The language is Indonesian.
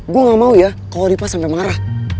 gue gak mau ya kalau ripa sampai marah